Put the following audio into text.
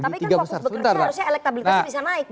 tapi kan fokus bekerja harusnya elektabilitasnya bisa naik